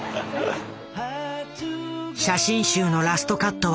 写真集のラストカットは。